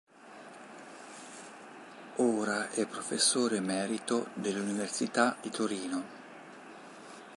Ora è professore emerito dell'Università di Torino.